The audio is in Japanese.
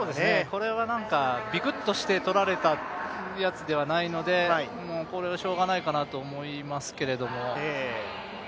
これはなんかビクッとしてとられたやつではないのでもうこれはしょうがないかなと思いますけれども。